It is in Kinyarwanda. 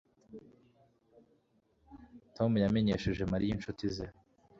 Tom yamenyesheje Mariya inshuti ze